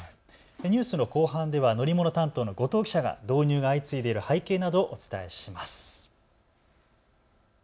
ニュースの後半では乗り物担当の後藤記者が導入が相次いでいる背景などをお伝えします。